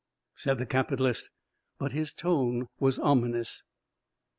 said the capitalist, but his tone was ominous.